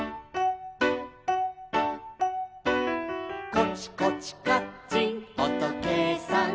「コチコチカッチンおとけいさん」